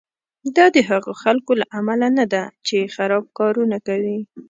دا د هغو خلکو له امله نه ده چې خراب کارونه کوي.